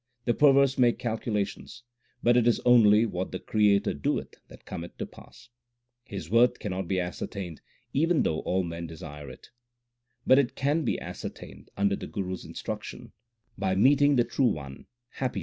The perverse make calculations, but it is only what the Creator doeth that cometh to pass. His worth cannot be ascertained, even though all men desire it ; But it can be ascertained under the Guru s instruction ; by meeting the True One happiness is obtained.